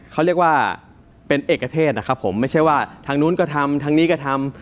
เขาเรียกว่าเป็นเอกเทศนะครับผมไม่ใช่ว่าทางนู้นก็ทำทางนี้ก็ทำ